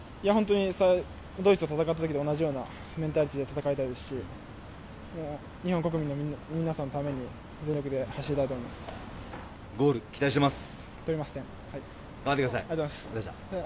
ドイツと戦ったときと同じようなメンタリティーで戦いたいですし日本国民の皆さんのためにゴール期待しています。